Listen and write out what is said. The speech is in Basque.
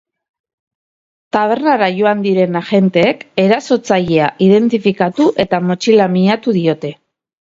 Tabernara joan diren agenteek erasotzailea identifikatu eta motxila miatu diote.